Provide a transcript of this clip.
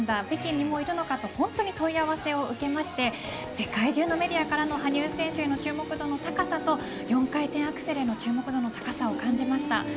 北京にもういるのかと本当に問い合わせを受けまして世界中のメディアからの羽生選手への注目度の高さと４回転アクセルへの注目度の高さを感じました。